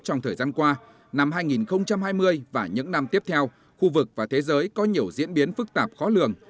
trong thời gian qua năm hai nghìn hai mươi và những năm tiếp theo khu vực và thế giới có nhiều diễn biến phức tạp khó lường